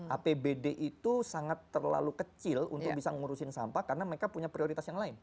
apbd itu sangat terlalu kecil untuk bisa ngurusin sampah karena mereka punya prioritas yang lain